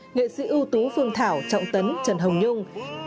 nghệ sĩ ưu tú phương thảo trọng tấn trần hồng nhung